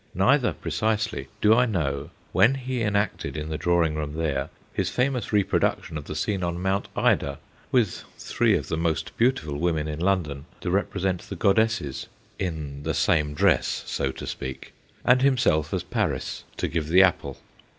Neither precisely do I know when he enacted in the drawing room there his famous reproduction of the scene on Mount Ida, with three of the most beautiful women in London to represent the goddesses (in the same dress, so to speak), and himself as Paris to give the apple.